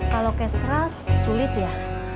kalau cash trust sulit ya